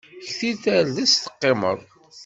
Ktil tardest teqqimeḍ.